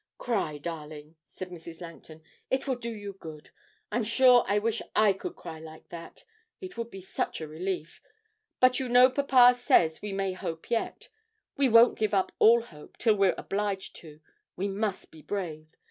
'Cry, darling,' said Mrs. Langton, 'it will do you good. I'm sure I wish I could cry like that, it would be such a relief. But you know papa says we may hope yet; we won't give up all hope till we're obliged to; we must be brave.